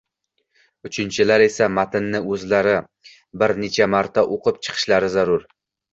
uchinchilar esa matnni o‘zlari bir necha marta o‘qib chiqishlari zarur.